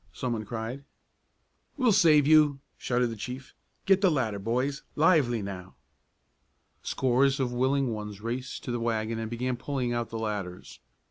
someone cried. "We'll save you!" shouted the chief. "Get the ladder, boys! Lively now!" Scores of willing ones raced to the wagon and began pulling out the ladders.